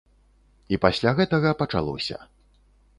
І пасля гэтага пачалося.